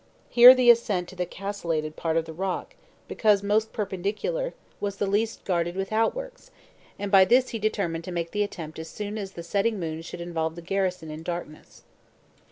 Here the ascent to the castellated part of the rock, because most perpendicular, was the least guarded with outworks, and by this he determined to make the attempt as soon as the setting moon should involve the garrison in darkness.